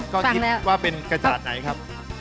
ก็คิดว่าเป็นกระจาดไหนครับ